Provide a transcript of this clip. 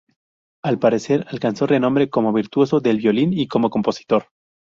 Al parecer alcanzó renombre como virtuoso del violín y como compositor.